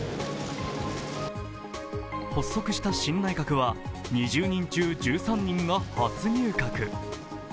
発足した新内閣は２０人中１３人が初入閣。